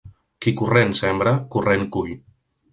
Qui corrent sembra, corrent cull.